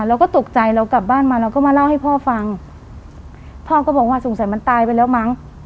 เราก็ตกใจเรากลับบ้านมาเราก็มาเล่าให้พ่อฟังพ่อก็บอกว่าสงสัยมันตายไปแล้วมั้ง